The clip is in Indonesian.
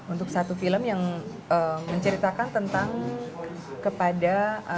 untuk satu film yang menceritakan tentang kepada